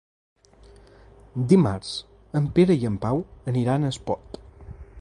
Dimarts en Pere i en Pau aniran a Espot.